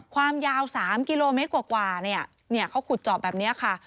ความยาว๓กิโลเมตรกว่าเนี่ยเขาขุดเจาะแบบนี้ค่ะ